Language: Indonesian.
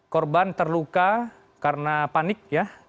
korban terluka karena panik ya